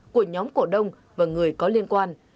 của nhóm cổ đông và người có liên quan